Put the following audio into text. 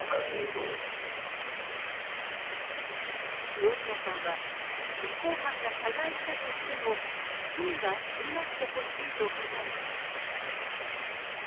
ティオリナさんは実行犯が謝罪したとしても罪は償ってほしいと考えています。